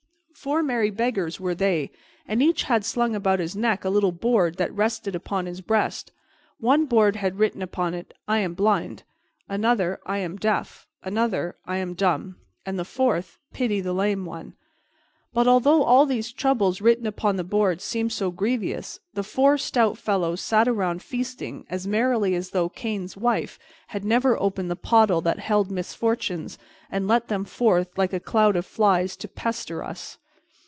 Four merry beggars were they, and each had slung about his neck a little board that rested upon his breast. One board had written upon it, "I am blind," another, "I am deaf," another, "I am dumb," and the fourth, "Pity the lame one." But although all these troubles written upon the boards seemed so grievous, the four stout fellows sat around feasting as merrily as though Cain's wife had never opened the pottle that held misfortunes and let them forth like a cloud of flies to pester us.